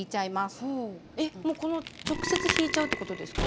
えっもうこの直接引いちゃうってことですか？